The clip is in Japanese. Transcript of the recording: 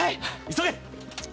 急げ！